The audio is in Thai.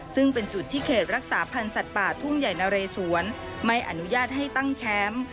ซึ่งเป็นจุดที่เขตรักษาพันธ์สัตว์ป่าทุ่งใหญ่นะเรสวนไม่อนุญาตให้ตั้งแคมป์